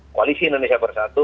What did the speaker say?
koalisi indonesia bersatu